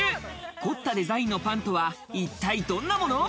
凝ったデザインのパンとは一体どんなもの？